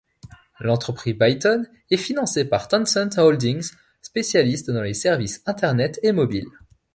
L'entreprise Byton est financée par Tencent Holdings, spécialiste dans les services internet et mobiles.